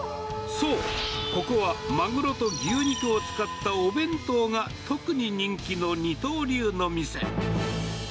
そう、ここはマグロと牛肉を使ったお弁当が、特に人気の二刀流の店。